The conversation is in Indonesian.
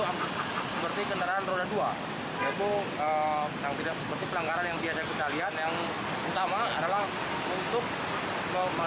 seperti kendaraan roda dua ya bu yang tidak seperti pelanggaran yang biasa kita lihat yang utama